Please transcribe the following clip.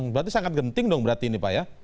berarti sangat genting dong berarti ini pak ya